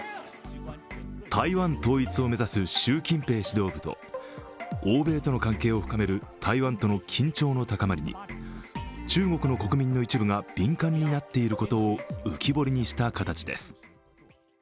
台湾統一を目指す習近平指導部と、欧米との関係を深める台湾との緊張の高まりに、中国の国民の一部が敏感になっていることを浮き彫りにした形です。